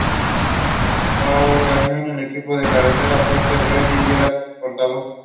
Organizó el Equipo de Carretera Fuerte Rally, y era su portavoz.